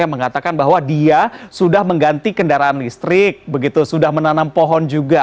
yang mengatakan bahwa dia sudah mengganti kendaraan listrik begitu sudah menanam pohon juga